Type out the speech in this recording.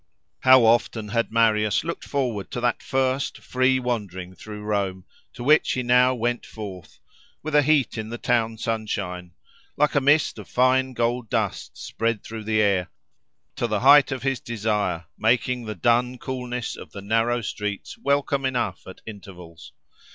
How often had Marius looked forward to that first, free wandering through Rome, to which he now went forth with a heat in the town sunshine (like a mist of fine gold dust spread through the air) to the height of his desire, making the dun coolness of the narrow streets welcome enough at intervals.